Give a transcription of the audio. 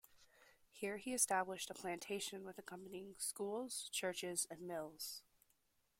Here he established a plantation with accompanying schools, churches, and mills.